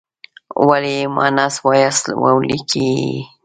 ولې یې مونث وایاست او لیکئ یې.